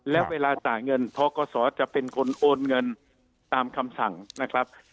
แล้วเวลาจ่ายเงินทกศจะเป็นคนโอนเงินตามคำสั่งนะครับ